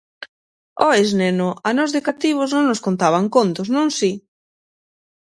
_Oes, neno, ¿a nós de cativos non nos contaban contos, non si?